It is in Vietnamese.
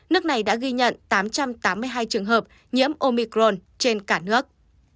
nước này đã ghi nhận tám trăm tám mươi hai trường hợp nhiễm omicron trên cả nước